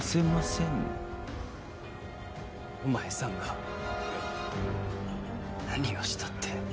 お前さんが何をしたって？